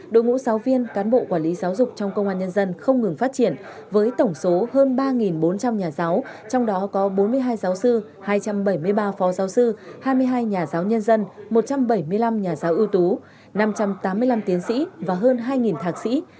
đội ngũ giáo viên cán bộ quản lý giáo dục trong công an nhân dân không ngừng phát triển với tổng số hơn ba bốn trăm linh nhà giáo trong đó có bốn mươi hai giáo sư hai trăm bảy mươi ba phó giáo sư hai mươi hai nhà giáo nhân dân một trăm bảy mươi năm nhà giáo ưu tú năm trăm tám mươi năm tiến sĩ và hơn hai thạc sĩ